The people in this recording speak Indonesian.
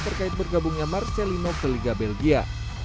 terkait bergabungnya marcelino ke liga belgia